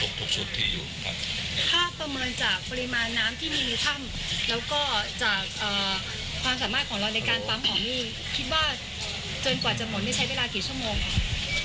จากปริมาณน้ำที่มีในถ้ำแล้วก็จากความสามารถของเราในการปั๊มของนี่